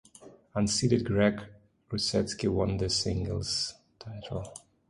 Unseeded Greg Rusedski won the singles title.